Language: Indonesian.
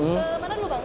yuk kita kemana dulu bang